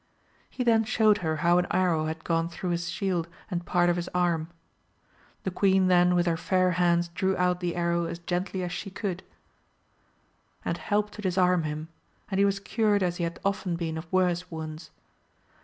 He then showed her how an arrow had gone through his shield and part of his arm. The queen then with her fair hands drew out the arrow as gently as she could, 128 AMADISOFOAVL and helped to disarm him, and he was cured as he had often been of worse wounds.